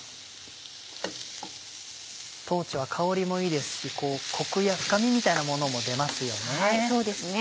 豆は香りもいいですしコクや深みみたいなものも出ますよね。